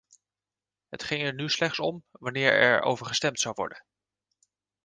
Het ging er nu slechts om wanneer er over gestemd zou worden.